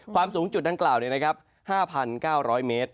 ความสูงจุดด้านกล่าวเนี่ยนะครับ๕๙๐๐เมตร